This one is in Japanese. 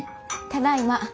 ただいま。